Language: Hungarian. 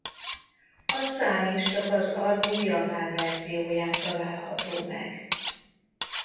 A szám is csak az album Japán verzióján található meg.